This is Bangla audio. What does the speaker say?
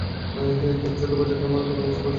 হেই ছোট্ট প্রজাপতি, আমার কথা বুঝতে পারছো, তাই না?